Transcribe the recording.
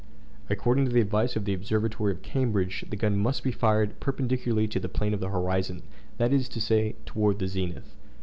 According to the advice of the Observatory of Cambridge, the gun must be fired perpendicularly to the plane of the horizon, that is to say, toward the zenith.